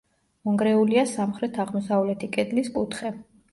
მონგრეულია სამხრეთ-აღმოსავლეთი კედლის კუთხე.